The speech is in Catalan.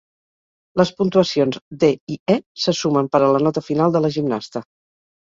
Les puntuacions D i E se sumen per a la nota final de la gimnasta.